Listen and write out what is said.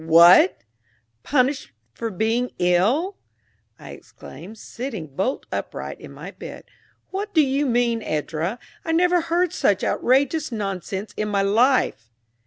"What! Punished for being ill!" I exclaimed, sitting bolt upright in my bed. "What do you mean, Edra? I never heard such outrageous nonsense in my life!"